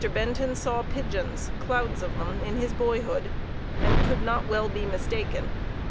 Benton saw pigeons, clouds of them, in his boyhood, and could not well be mistaken.